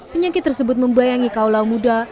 penyakit tersebut membayangi kaulah muda